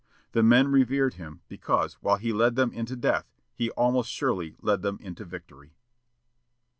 The men revered him, because, while he led them into death, he almost surely led them into victory.